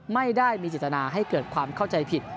ไม่ได้มีเจตนาให้เกิดความเข้าใจผิด